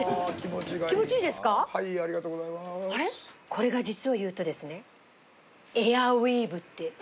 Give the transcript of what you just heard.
これが実を言うとですね。